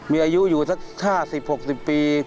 มีอายุอยู่สัก๕๐๖๐ปี